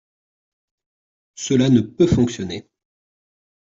Cela ne peut fonctionner.